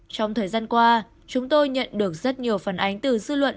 trong thời gian qua chúng tôi nhận được rất nhiều phản ánh từ dư luận